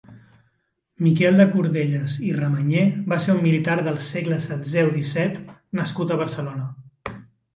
Miquel de Cordelles i Ramanyer va ser un militar del segle setzeu-disset nascut a Barcelona.